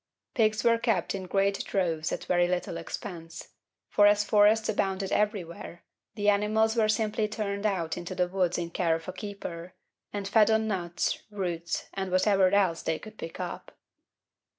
Pigs were kept in great droves at very little expense; for as forests abounded everywhere, the animals were simply turned out into the woods in care of a keeper, and fed on nuts, roots, and whatever else they could pick up.